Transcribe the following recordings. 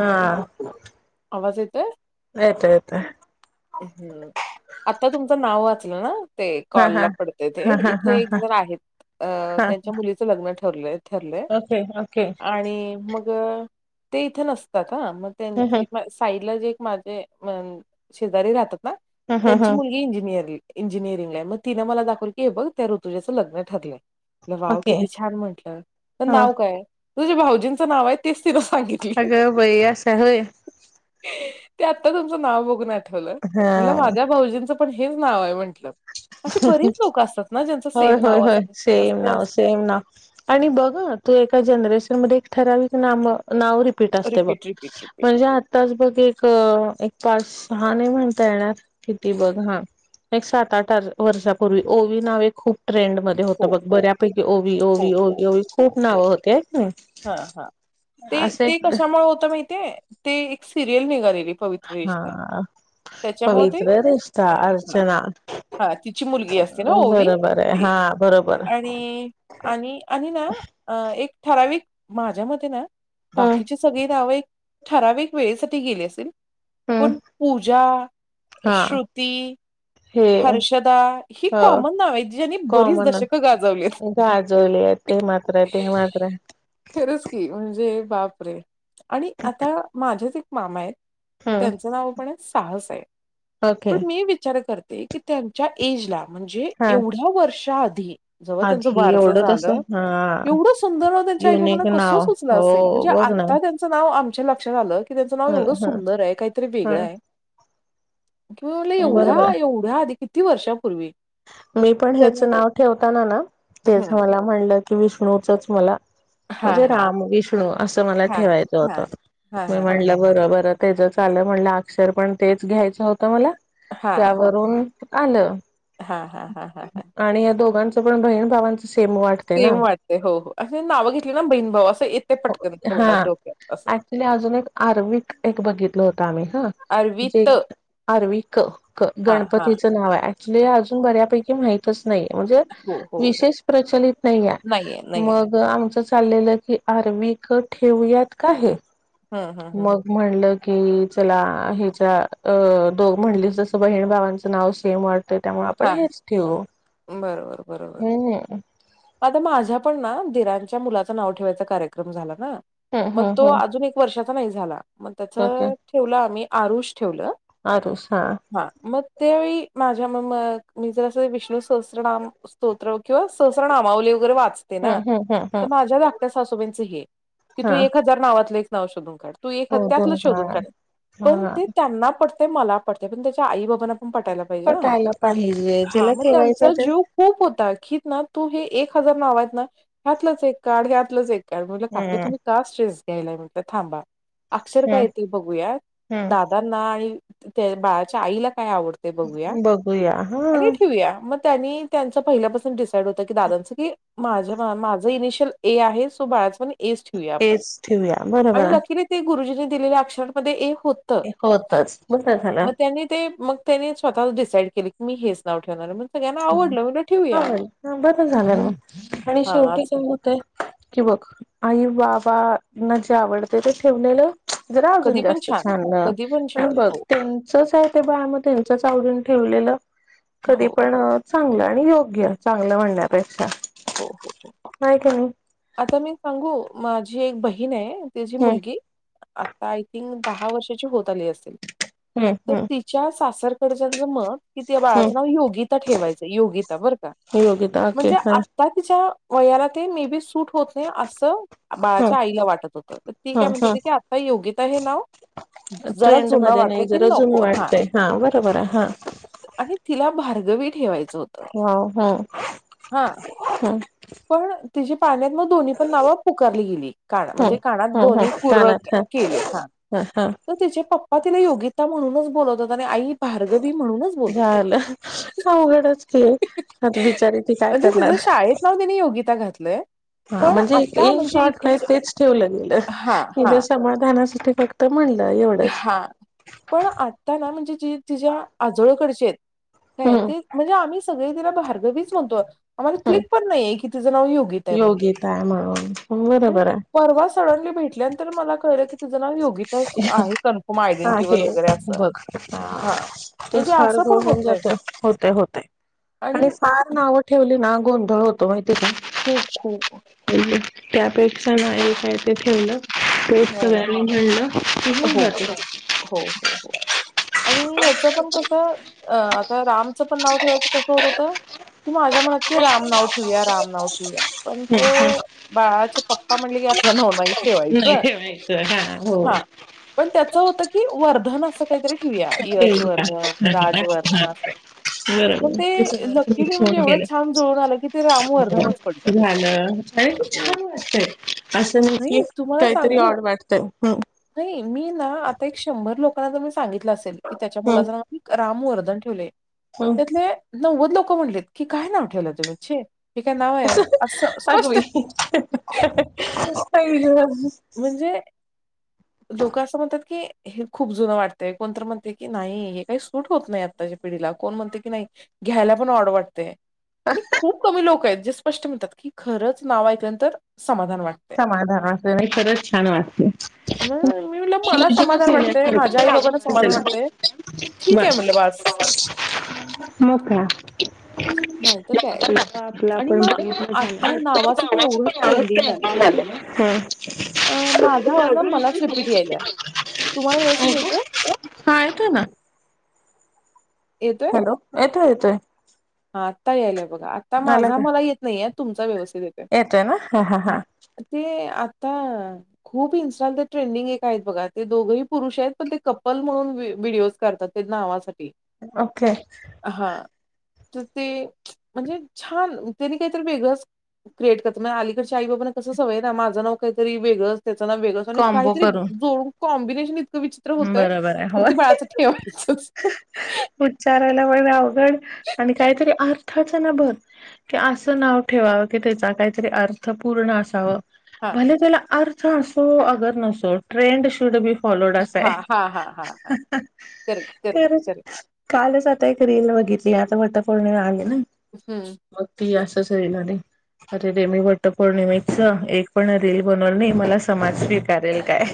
हा आवाज येतय, आयता ययत, हम्म आता तुमचं नाव वाचलं ना, ते हा कॉल हा ला पडते ते हा हा हा इथे एक जर आहेत, अ हा त्यांच्या मुलीचं लग्न ठरलं, ठरले ओके ओके आणि मग, ते इथे नसतात, ह मग ह ह त्यांची साईला जे एक माझे. शेजारी राहतात ना. ह ह ह त्यांची मुलगी इंजिनियरली, इंजिनिअरिंगला मग तिने मला दाखवल, की हे बघ त्या ऋतुजाचं लग्न ठरलंय. तु भाव ओके किती छान म्हंटलं तर हा नाव काय तुझ्या, भाऊजींचं नाव आहे तेच, तिथ सांगितली, अगं बाई असं होय ते आत्ता तुमचं नाव बघून आठवलं हा म्हणलं, माझ्या भाऊजींचं पण हेच नाव आहे म्हंटलं. अशी बरेच लोक असतात ना? ज्यांचं होय सेम होय नाव होय, असतं सेम असते असते नाव अस सेम नाव आणि बघ तू एका जनरेशन मध्ये, ठरावीक नाम, नाव रिपीट असते बघ, रिपीट रिपीट म्हणजे आताच बघ एक पाच हा नाही म्हणता येणार, किती बघ हा एक सात आठज, वर्षापूर्वी ओवी नावे खूप, ट्रेंड मध्ये होत हो बघ हो बऱ्यापैकी, ओवी हो ओवी, ओवी ओवी खूप नावं होते आहेत ना. हा हा ते ते कशामुळे होत, माहितीय ते एक सिरियल निघालेल. पवित्र रिश्ता, हा त्याच्यामुळे पवित्र रिष्ता अर्चना हा तिची मुलगी असते ना, ओवी बरोबर आहे ते हा बरोबर आणि आणि आणि ना, अ एक ठराविक माझ्या मते ना हम्म बाकीची सगळी नाव एक ठराविक, वेळेसाठी गेली असेतील. हम्म पण पूजा, हा श्रुती, हे हर्षदा, ही अ कॉमन नाव आहे जि ज्याने बरीच कॉमन दशकं गाजवलीत. गाजवले ते मातर [unintelligible] खरच की म्हणजे बाप रे, आणि आता माझ्याच एक मामा आहेत. हम्म त्यांचं नाव पण आहे, साहस आहेब ओके पण मी विचार करते. की त्यांच्या एज ला म्हणजे हा एवढ्या वर्षा आधी, जेव्हा त्यांचं आधी बारसं एवढं तस झालं हा एवढं सुंदर नाव त्याचा आई बाबा युनिक कस नाव सुचलं हो असेल, म्हणजे बघ ना आता तेंच नाव, लक्षात आलं, की त्यांचं नाव ह एवढं ह सुंदर आहे काहीतरी ह वेगळं आहे. किंवा म्हला एवढा बरोबर आहे एवढा, आधी किती वर्षापूर्वी. मी पण ह्याच हम्म नाव ठेवताना ना. त्याच मला म्हणलं की विष्णूचच मला, हा म्हणजे हा राम विष्णू असं मला हा ठेवायचं हा होतं हा मी हा हा हा म्हणलं बरबर त्याच चालं म्हणलं अक्षर पण तेच घ्यायच होतं मला त्यावरून आलं हा हा हा हा हा ण बण भावां सेम वाटतेय हो हो असे नावं घेतली ना बहीण भाऊ असं येते पटकन तोंडात डोक्यात असं ऍक्चुली एक आरविकं एक बघितलं होतं आम्ही ह जे अरवित आरविकं हा हा गणपतीचं नाव आहे अजून बऱ्यापैकी माहित नाही म्हणजे हो हो हो विशेष प्रचलित नाही नाहीये आहे नाहीये मग आमच चाललेलं की आरविकं ठेवूयात का हे हम्म हम्म हम्म मग म्हणलं कि चला ह्याच्या अ तु म्हणलीस जसं बहीण भावांचं नाव सेम वाटत त्यामुळे आपण हा हेच ठेवू बरोबर बरोबर हम् आता माझ्या पण ना दिरांच्या मुलाचं नाव ठेवायचा कार्यक्रम झाला हम्म मग हम्म तो हम्म अजून एक वर्षाचा नाही झाला मग त्याच ओके ठेवला आमही आरूष ठेवलं हा मग त्यावेळी मी मग विष्णु स्त्रोत्र नाम स्त्रोत्र किंवा स्त्रोत्र नामावली वगैरे वाच हम्म हम्म हम्म हम्म माझ्या धाकट्या सासूबच हे की तू हा एक हजार नावातलं एक नाव शोधून काढ तू एखादं त्यातलं शोधून काढ. पण हा ते त्यांना पटतंय, मला पटतंय पण त्याच्या आई बाबांना पटायला पाहिजे ना पटायला पाहिजे हा ज्याला मग ठेवायचं त्यांचा ते जीव खूप होता की ना तू हे एक हजार नाव आहेत ना ह्यातलंच एक काड ह्यातलंच एक कारण म्हटलं काकी हम्म तुम्ही का स्ट्रेस घ्यायलाय म्हटलं थांबा. अक्षर काय हम्म य ते बघूया हम्म दादांना आणि त्या बाळाच्या आईला काय आवडतेय बघूया होया आणि हां ठेवूया मग तेन्ही त्याच पहिल्या पासून डीसाइड होत कि दादाचं कि माझ माझ ईनिशियल ऐ आहे सो बाळाच पण ऐ च ठेवूया आपण हेच ठेवूया बरोबर आणि नक्की आहे भेटेल गुरुजींनी दिलेल्या अक्षरामध्ये ऐ होत होतच बरं मग झालं त्यांनी ते मग त्यांनी स्वतः डिसाइड केली की मी हेच नाव ठेवणार आहे मग. सगळ्यांना ह आवडलं म्हटलं ठेवूया हो बरं झालं म आणि हां शेवटी असं. काय होते कि बघ आई बाबाना जे आवडते ते ठेवलेलं जरा अजून कधी पण जास्त छान कधी पण आणि छान. बघ हो, त्यांचच आहे ते ब मग त्यांचच आवडीन ठेवलेलं कधी हो पण चांगलं आणि योग्य चांगलं म्हणण्यापेक्षा हो, हो, हो. होय की नाही आता मी सांगू माझी एक बहीण आहे तिची नाही मुलगी आता आय थिंक दहा वर्षाची होत आली असेल हम्म हम्म तर हम्म तिच्या सासरकडच्याच मत कि त्या बाळाचं नाव योगिता ठेवायचं योगिता बरं का हम्म योगिता ओके म्हणजे हं आता तिच्या वयाला ते मे बी सुट होत नाही असं हं बाळाच्या आईला वाटत होत तर ती काय हं म्हणत हं होती की आता योगीता हे नाव खूप ट्रेंड मध्ये नाही जरा जुनं हां वाटतय हा बरोबर आहे हा आणि तिला भार्गवी ठेवायचं. जो त वाव हं हा हं पण तिची पाळण्यात मग दोन्ही पण नावं पुकारली गेली कान म्हणजे हं कानात हं दोन्ही हं कुर्र कानात हं केलेत हा. हं तर तिचे पप्पा तिला योगिता म्हणूनच बोलवत होते आणि आई भार्गवी म्हणूनच बोलवतात. झालं आवघडच की हे आता बिचारी ती काय म्हणजे करणार. तिचं शाळेत नाव त्यांनी योगिता घातलंय हा पण म्हणजे आता इन म्हणजे शॉर्ट काही इकडच तेच ठेवलं गेलं हा हा म्हणजे समाधानासाठी फक्त एवढंच हा पण आता ना म्हणजे जी तिच्या आजोळकडचेत काय हम्म ते म्हणजे आम्ही सगळी तिला भार्गवीच म्हणतो आम्हाला हम्म क्लिक पण नाहीे की तिचं नाव योगी योग्यता आहे म्हणून बरोबर आहे परवा सडनली भेटल्यानंतर मला कळल कि तीज नाव योगी आहे कन्फर्म आयडेंटि आहे वगैरे अस हा म्हणजे तोच फार असं घ पण होऊन होतय जाते होते होते आणि फार नावं ठेवली ना गोंधळ हो तो माहिती का. खूप खूप त्यापेक्षा नाही काय ते ठेवलं पेट हां. सगळ्यांनी घणलं आणि ह पण कस आता रामच पण नाव ठेवायच कस होत होत क माझ्या मनात क राम नाव ठेवया राम ठे पण तो बाळाचे पप्पा म्हणले की आतला नाव नाही ठेवायच नाही ठेवायचं हा हो हा पण त्याच होत की वर्धना अस काहीतरी ठेवया ठेवूया यशवर्धन हा राजवर्धन असं मण बरोबर. ते सगळं असं लकीने मिक्स म्हणजे होऊन एवढं गेलं. छान जुळून आलं की ते रामवर्धानच पडत अ छान वाटतय असं नक्की नाही तुम्हाला मी आ लोकां त्या हं. रामवर्न ठे हं. त्या नव ल म्हटलेत की काय नाव ठेव तुम्चे अगवे स म्हणजे लोक असं म्हणतात की हे खूप जुनं वाटतय कोणत म्हणते की नाही हे काही सूट होत नाही आत्ताची पिढीला कोण म्हणते की नाही घ्यायला पण ओड वाटते आणि खूप कमी लोक आहेत जे स्पष्ट म्हणतात की खरंच नाव ऐकल्यानंतर समाधान वाटतंय. समाधान असते नाही खरच छान वाटते मी म्हटलं मला समाधान वाटतेय माझ्या आई बाबाांना छान समाधान झालं. वाटते ठीक आहे मल्लबास म काा नाहीतर काय आपला आणि पण मग झा आता नावाचं ते गावा एवढं पणव ट्रेंडिंग आलंय ना, झा हम् अ, माझा आवाज ना का मलाच रिपीट यायलाय. हा तुम्हाला व्यवस्थित येतोय? काेतो ना हॅलो येतोय येतोय हा आत्ता यायलाय बघा आता आला माझा का? मला येत नाहीय तुमचा व्यवस्थित येते हा ते आता खूप इन्स्टानमध्ये ट्रेंडिंग एक आहेत बघा ते दोघंही पुरुष आहेत पण ते कपल म्हणून व्हडडीिओज करतात क नावा ओके तर ते म्हणजे छान त्यांनी काहीतरी वेगंच क्रिएट करतात म अलीकडच्या आई बाबाांना कसं सवय ना माझं नाव काहीतरी वेगं त्याचा ना वेगळं आणि कॉम्बो काहीतरी करून. जोडून कॉम्बिनेशन. क विचित्र होतय बरोबर आहे तर होय ती बाळाच ठेवायच. उच्चारायला पण अवघड आणि काहीतरी अर्थ भर अस नाव ठेवा क त्या काहीतरी अर्थ. पूर्ण असावं हां, भले त्याला अर्थ असो अगर नसो ट्रेंड शूड बी फॉलोड अस हां, हां, हां, हां, हम्म हां. करेक्ट, हम्म. करेक्ट, खरंच करेक्ट. कालच आता एक रीलील बघितली आता फत पूर्णी आले. नाही हं. मग त असंचरीला नाही. अरे रे मी वट्ट पौर्णिमेच एक पण रील बनवून नाही मला समाज स्वीकारेल काय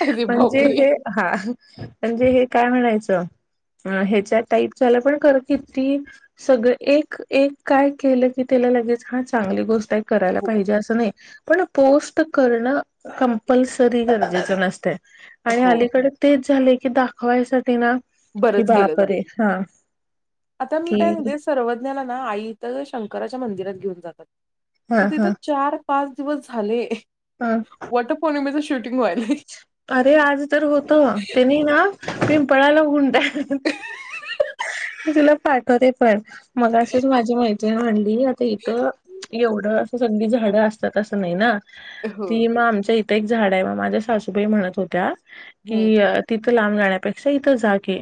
अरे म्हणजे बापरे! हे हा म्हणजे हे काय म्हणायचं. अ ह्याच्या टाईपला पण किती सगळ एक काय केलं कि. त्या लगेच हा चांगली गोष्ट आहे. करायला हो, पाहिजे अस नाही पण पोस्ट करणं कंपल्सरी गरजेचं नसतंय. आणि हो. अलीकडे तेच झाले की, दाखवायसाठी ना कि बरंच केलं जातं. बापरे हा. आता मी काय कि सांगते सर्वज्ञाना ना आई तर शंकराच्या मंदिरात घेऊन जातात. हा तर तिथं हा चार पाच दिवस झाले हा वटपौर्णिमेच अरे आज तर होत, त्यानी ना. पें पळायला [unintelligible] तुला पाठवते पण मग अशीच माझी म्हणली आता इथं. एवढं अस सगळी झाडं असतात असं नाही ना हो ती मग आमच्या इ प्र्येक झाड आहे म माझ्या सासूबाई म्हणत होत्या की हम्म तिथ थ लांब जाण्यापेक्षा इथं जा की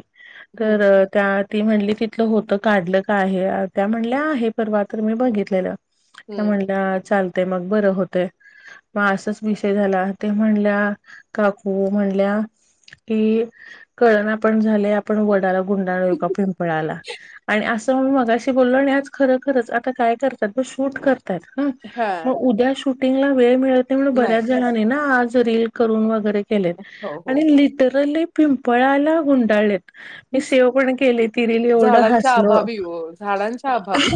तर हम्म त्या ती म्हणली तिथलं होत, काढलं का आहे, त्या म्हणल्या आहे, परवा तर मी बघितलेलं. त्या हम्म म्हणल्या चालते मग बरं होतय. मग असच विषय झाला ते म्हणल्या काकू म्हणल्या. कि कळना आपण झाले आपण वडाला गुंडळ पिंपळाला. आणि असं मगाशी बोललो आणि आज खर खरच आता काय करतात बघ शूट कर त्यात हा मग उद्या शूटिंगला वेळ मि नाही बऱ्याच जणांनी नि आज रील करून वगैरे केले हो हो आणि हो. लिटरली पिंपळाला गुंडालेत. मी सेव पण केले तिरीले एवढं झाडांच्या हसलो. अभावी हो झाडांच्या अभावी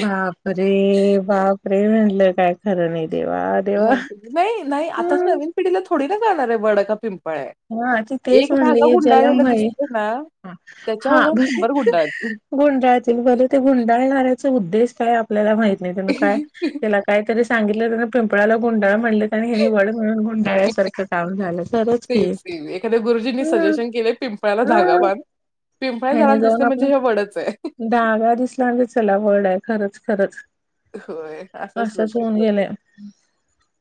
बापरे बापरे म्हणलं काय खरं नाही. देवा नाहीत देवा नाही नाही आताच नवीन पिढीला थोडी ना कळणार आहे वड का पिंपळ आहे. हा तेंच एक म्हणली धागा हे जेला गुंडाळलेला माहित. दिसतोय ना हा त्याच्यावर जाऊन बर शंभर गुंडाळतील बर ते गुंडाळणार आहेत. तर उद्देश काय आपल्याला माहित नाही तिने काय गुंडाळतील. त्याला काहीतरी सांगितलं जातं की पिंपळाला गुंडाळलं. म्हणल्यात आणि ही नि वड म्हणून गुंडाळसारखं काम झालं ख सेम सेम एखा्या गुरुजींनी सजेशन केले पिंपळ्याला धागा बन. त्याने जाऊन आपला धागा दिसला म्हजे चला वड आहे, खरंच. खरंच असच होऊन गेले.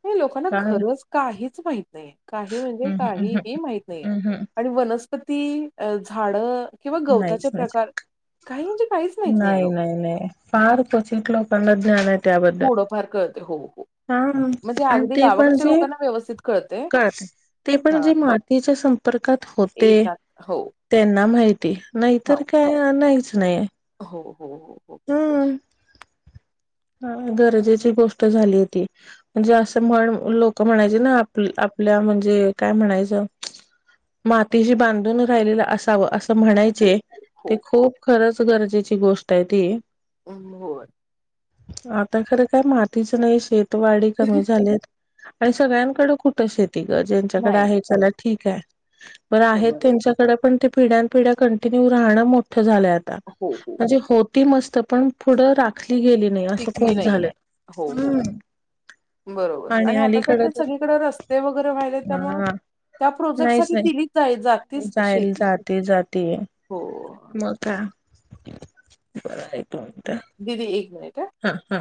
हे लोकांना खरंच काहीच माहित नाही काही म्हणजे हम्म काय. हम्म काहीही माहित नाहीये हम्म आणि वनस्पती झाड. किंवा नाहीच गवताचे नाहीच प्रकार. काही म्हणजे काहीच माहित नाही लोकांना नाही नाही फार तो क्वचित लोकांना च. थोडफार कळते हो हो हा म्हणजे अगदी गावाकडच्या लोकांना व्यवस्थित. कळते कळत ते पण हा जे मातीच्या संपर्कात होते, येतात हो त्यांना माहिती. हो नाहीतर काय नाहीच नाही. हो हो हो. हम्म. [unintelligible] गरजेची गोष्ट झाली होती, म्हणजे अस म्हण लोक म्हणायचे ना आप आप म्हणजे काय म्हणायच मातीशी बांधून राहिले असावं.. हो म्हणायचे हो हो ते खूप खरंच गरजेची गोष्ट आहे ती.. अ होय. आता खरं काय मातीच नाही शेतवाडी कमी झाल्यात. आणि सगळ्यांकडं कुठं शेती ग ज्यांच्याकडे नाही आहे नाही चला ठीक आहे. बर आहेत बरोबर त्यांच्याकडे पण ते पिढ्या पिढ्या कंटिन्यू राहणं मोठं. झालंय आता हो हो म्हणजे होती मस्त पण पुढे राखणं क गेली नाही असं टिकली खूप झालं. नाहीये हो हो बरोबर आणि आता तर ते सगळीकडे रस्ते वगैरे वहिले त्यामु हा त्या प्रोजेक्ट सा नाहीच नाही तिच जातीच जायल शेती. जाते जाते. हो. मग [unintelligible] दिदी एक. हा हा.